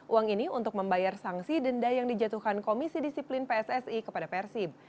uang ini untuk membayar sanksi denda yang dijatuhkan komisi disiplin pssi kepada persib